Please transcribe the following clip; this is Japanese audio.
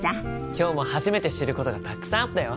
今日も初めて知ることがたくさんあったよ。